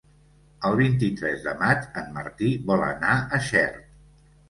El vint-i-tres de maig en Martí vol anar a Xert.